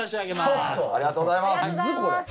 ありがとうございます！